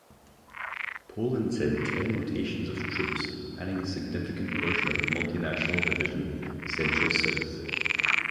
Poland sent ten rotations of troops, manning a significant portion of Multinational Division Central-South.